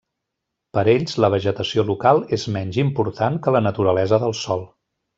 Per ells, la vegetació local és menys important que la naturalesa del sòl.